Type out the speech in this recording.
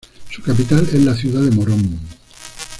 Su capital es la ciudad de Morón.